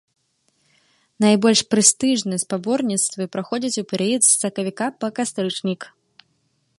Найбольш прэстыжныя спаборніцтвы праходзяць у перыяд з сакавіка па кастрычнік.